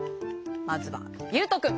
まずはゆうとくん。